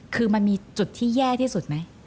คือมันมีจุดที่แย่ที่สุดไหม